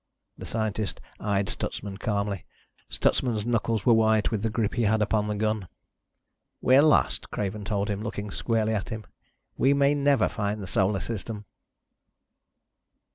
The scientist eyed Stutsman calmly. Stutsman's knuckles were white with the grip he had upon the gun. "We're lost," Craven told him, looking squarely at him. "We may never find the Solar System!"